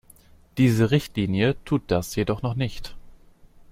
Diese Richtlinie tut das jedoch noch nicht.